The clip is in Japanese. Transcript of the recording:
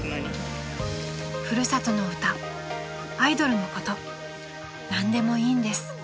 ［古里の歌アイドルのこと何でもいいんです］